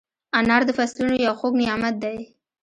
انار د فصلونو یو خوږ نعمت دی.